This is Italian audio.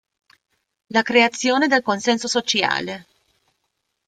La creazione del consenso sociale.